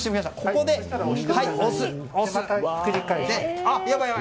ここで押す。